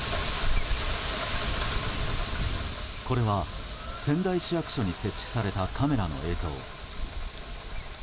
これは仙台市役所に設置されたカメラの映像。